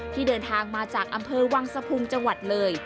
ที่เดินทางมาจากอำเภอวังสะพุงจังหวัดเลย